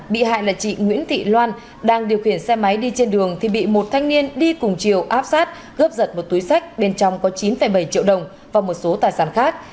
bị hại là chị nguyễn thị loan đang điều khiển xe máy đi trên đường thì bị một thanh niên đi cùng chiều áp sát cướp giật một túi sách bên trong có chín bảy triệu đồng và một số tài sản khác